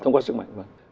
thông qua sức mạnh vâng